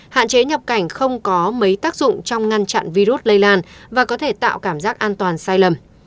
hạn chế nhập cảnh không có mấy tác dụng trong ngăn chặn virus lây lan và có thể tạo cảm giác an toàn sai lầm